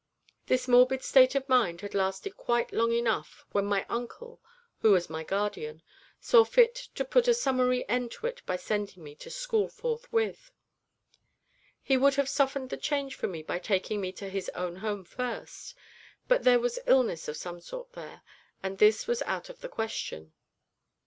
This morbid state of mind had lasted quite long enough when my uncle, who was my guardian, saw fit to put a summary end to it by sending me to school forthwith; he would have softened the change for me by taking me to his own home first, but there was illness of some sort there, and this was out of the question.